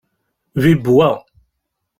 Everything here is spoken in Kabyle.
Bibb wa.